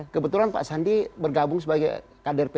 kebetulan pak sandi bergabung sebagai kader p tiga